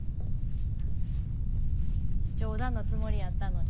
冗談のつもりやったのに。